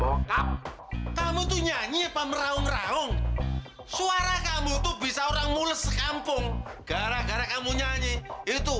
lengkap kamu tuh nyanyi apa meraung raung suara kamu tuh bisa orang mules kampung gara gara kamu nyanyi itu